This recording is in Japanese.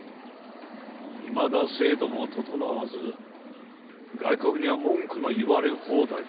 いまだ制度も整わず外国には文句の言われ放題。